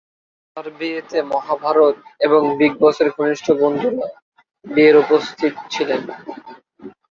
তার বিয়েতে মহাভারত এবং বিগ বসের ঘনিষ্ঠ বন্ধুরা বিয়ের উপস্থিত ছিলেন।